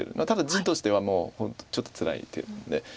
ただ地としてはもう本当ちょっとつらい手で。